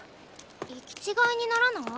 行き違いにならない？